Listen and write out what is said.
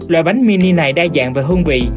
loại bánh mini này đa dạng và hương vị